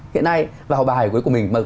hiện nay vào bài của mình